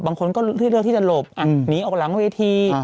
บางคนก็เลือกที่จะหลบหนีออกหลังเวที